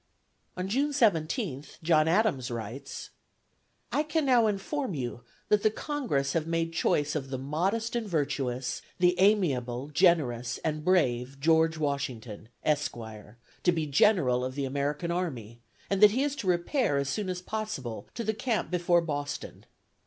On June 17th, John Adams writes: "I can now inform you that the Congress have made choice of the modest and virtuous, the amiable, generous and brave George Washington, Esquire, to be General of the American army, and that he is to repair, as soon as possible, to the camp before Boston.